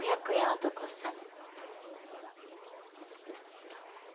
男さん。